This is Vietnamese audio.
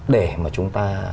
để mà chúng ta